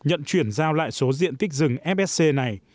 nhận chuyển giao lại số diện tích rừng fsc này